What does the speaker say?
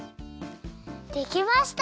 できました！